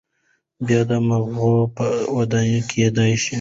بيا د مزغو پۀ دوايانو کېدے شي